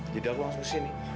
jadi aku langsung sini